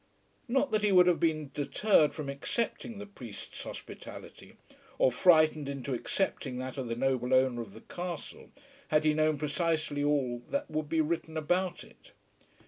Not that he would have been deterred from accepting the priest's hospitality or frightened into accepting that of the noble owner of the castle, had he known precisely all that would be written about it.